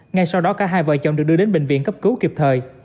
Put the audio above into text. ngay sau đó cả hai vợ chồng được đưa đến bệnh viện cấp cứu kịp thời